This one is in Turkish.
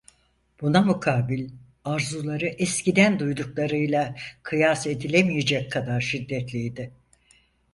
Buna mukabil, arzuları eskiden duyduklarıyla kıyas edilemeyecek kadar şiddetliydi.